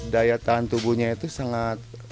daya tahan tubuhnya itu sangat